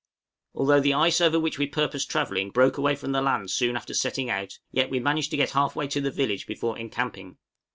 Although the ice over which we purposed travelling broke away from the land soon after setting out, yet we managed to get half way to the village before encamping.